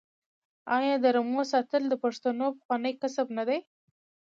آیا د رمو ساتل د پښتنو پخوانی کسب نه دی؟